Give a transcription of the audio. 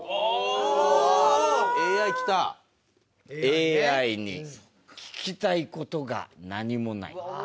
「ＡＩに聞きたいことが何もない」